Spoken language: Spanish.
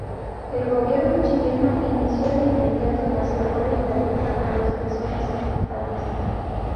El gobierno chileno inició de inmediato las labores de ayuda a las personas afectadas.